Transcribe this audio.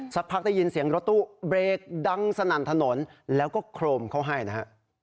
สักพักได้ยินเสียงรถตู้เบรกดังสนั่นถนนแล้วก็โครมเขาให้นะฮะ